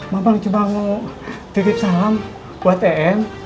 mamang cuma mau titip salam buat en